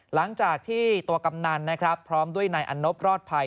หลังจากที่ตัวกำนันนะครับพร้อมด้วยนายอันนบรอดภัย